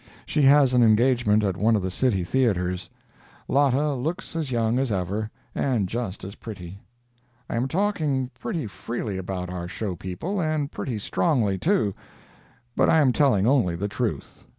She has an engagement at one of the city theatres. Lotta looks as young as ever, and just as pretty. I am talking pretty freely about our show people, and pretty strongly, too, but I am telling only the truth.